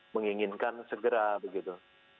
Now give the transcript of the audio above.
menginginkan segera begitu